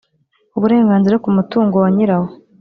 uburenganzira kumutungo wanyira wo